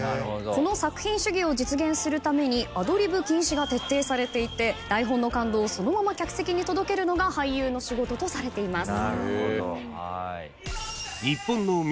この作品主義を実現するためにアドリブ禁止が徹底されていて台本の感動をそのまま客席に届けるのが俳優の仕事とされています。